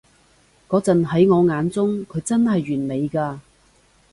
嗰陣喺我眼中，佢真係完美㗎